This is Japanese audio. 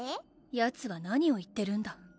ヤツは何を言ってるんだ？